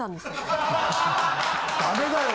ダメだよ